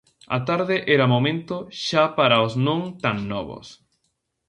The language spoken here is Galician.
A tarde era momento xa para os non tan novos.